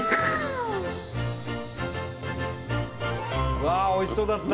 うわおいしそうだった！